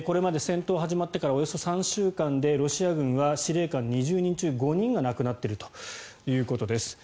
これまで戦闘が始まってからおよそ３週間でロシア軍は司令官が２０人中５人が亡くなっているということです。